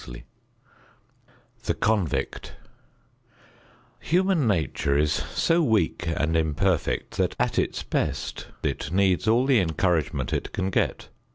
XXXI THE CONVICT Human nature is so weak and imperfect that, at its best, it needs all the encouragement it can get.